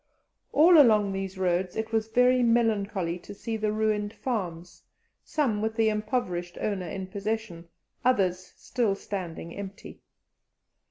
All along these roads it was very melancholy to see the ruined farms, some with the impoverished owner in possession, others still standing empty.